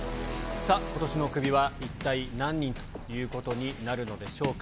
さあ、ことしのクビは一体、何人ということになるのでしょうか。